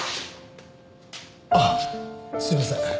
あっすいません。